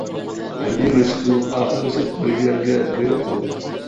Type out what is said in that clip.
ھەربىي مەشىقمۇ ئاخىرلىشىپ بىر يەرگە بېرىپ قالدى.